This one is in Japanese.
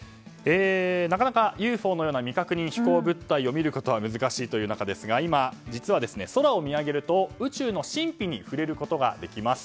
なかなかＵＦＯのような未確認飛行物体を難しいという中ですが今、実は空を見上げると宇宙の神秘に触れることができます。